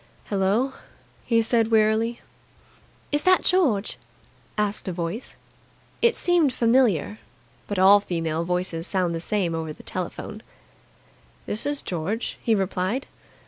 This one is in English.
"Hello?" he said wearily. "Is that George?" asked a voice. It seemed familiar, but all female voices sound the same over the telephone. "This is George," he replied.